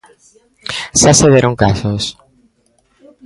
Xa se deron casos.